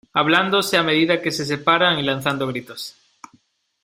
hablándose a medida que se separan y lanzando gritos.